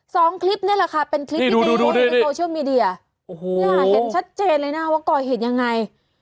สองคลิปนี่แหละค่ะเป็นคลิปนี้ที่โปรเชียลมีเดียน่าเห็นชัดเจนเลยนะว่าก่อเหตุยังไง